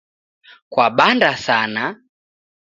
Kwabanda sana